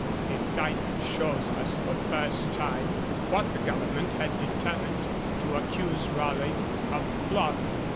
The indictment shows us for the first time what the Government had determined to accuse Raleigh of plotting.